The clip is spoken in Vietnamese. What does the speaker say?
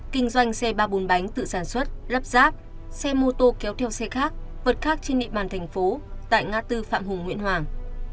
kinh doanh xe ba bồn bánh tự sản xuất lắp ráp xe mô tô kéo theo xe khác vật khác trên địa bàn thành phố tại ngã tư phạm hùng nguyễn hoàng